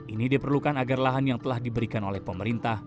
ini diperlukan agar lahan yang telah diberikan oleh pemerintah